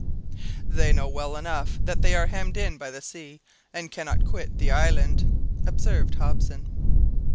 "They know well enough that they are hemmed in by the sea and cannot quit the island," observed Hobson.